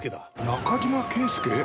中島圭介？